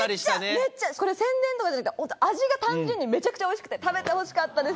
めっちゃこれ宣伝とかじゃなくて本当に味が単純にめちゃくちゃおいしくて食べてほしかったです。